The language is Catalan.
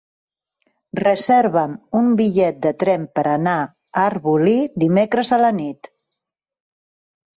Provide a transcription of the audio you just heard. Reserva'm un bitllet de tren per anar a Arbolí dimecres a la nit.